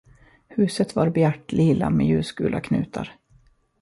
Huset var bjärt lila med ljusgula knutar.